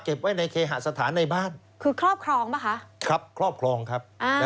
ไว้ในเคหสถานในบ้านคือครอบครองป่ะคะครับครอบครองครับ